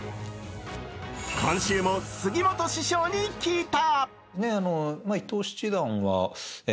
今週も杉本師匠に聞いた。